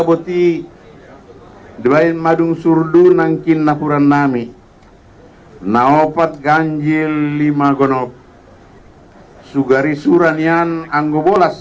boti dua in madung surdu nangkin nafuran nami naopat ganjil lima gonob sugari suranyan anggobolas